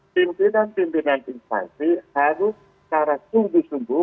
pimpinan pimpinan instansi harus secara sungguh sungguh